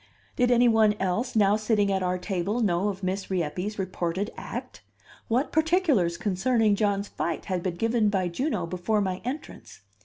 Did any one else now sitting at our table know of Miss Rieppe's reported act? What particulars concerning John's fight had been given by Juno before my entrance?